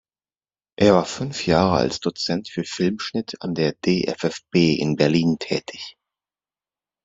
Er war fünf Jahre als Dozent für Filmschnitt an der dffb in Berlin tätig.